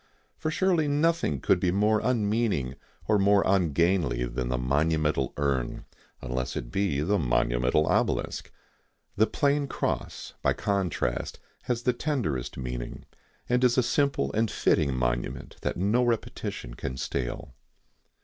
For surely nothing could be more unmeaning or more ungainly than the monumental urn, unless it be the monumental obelisk. The plain cross, by contrast, has the tenderest meaning, and is a simple and fitting monument that no repetition can stale.